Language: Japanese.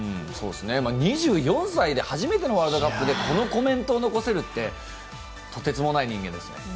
２４歳で初めてのワールドカップでこのコメントを残せるってとてつもない人間ですね。